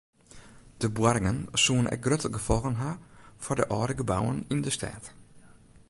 De boarringen soene ek grutte gefolgen ha foar de âlde gebouwen yn de stêd.